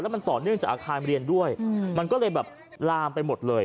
มันต่อเนื่องจากอาคารเรียนด้วยมันก็เลยแบบลามไปหมดเลย